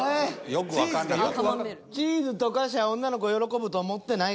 チーズ溶かしゃ女の子喜ぶと思ってない？